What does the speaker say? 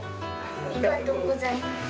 ありがとうございます。